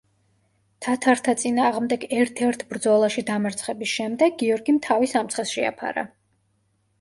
თათართა წინააღმდეგ ერთ-ერთ ბრძოლაში დამარცხების შემდეგ გიორგიმ თავი სამცხეს შეაფარა.